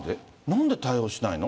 なんで対応しないの？